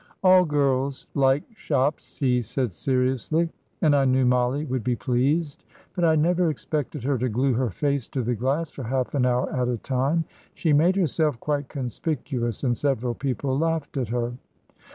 "All girls like shops," he said, seriously, "and I knew Mollie would be pleased, but I never expected her to glue her face to the glass for half an hour at a time. She made herself quite conspicuous, and several people laughed at her."